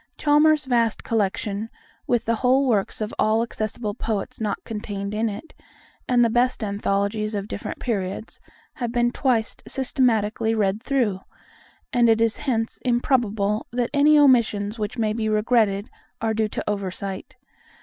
Chalmers's vast collection, with the whole works of all accessible poets not contained in it, and the best anthologies of different periods, have been twice systematically read through; and it is hence improbable that any omissions which may be regretted are due to oversight.